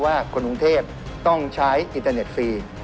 ว่าคนกรุงเทพต้องใช้อินเทอร์เน็ตฟรี